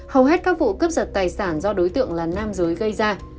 hầu hết các vụ cướp giật tài sản do đối tượng là nam giới gây ra